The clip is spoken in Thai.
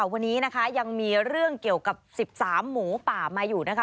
วันนี้นะคะยังมีเรื่องเกี่ยวกับ๑๓หมูป่ามาอยู่นะคะ